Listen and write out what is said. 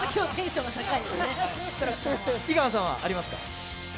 井川さんはありますか？